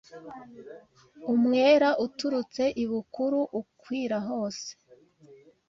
Umwera uturutse ibukuru ukwira hose